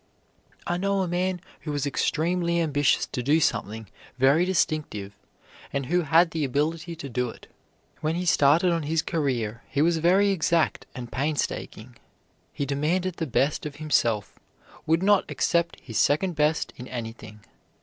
I know a man who was extremely ambitious to do something very distinctive and who had the ability to do it. When he started on his career he was very exact and painstaking. He demanded the best of himself would not accept his second best in anything.